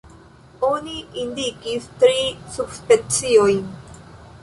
Oni indikis tri subspeciojn.